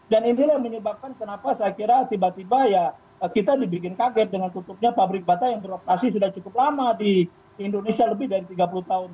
dan inilah yang menyebabkan kenapa saya kira tiba tiba kita dibikin kaget dengan tutupnya pabrik bata yang beroperasi sudah cukup lama di indonesia lebih dari tiga puluh tahun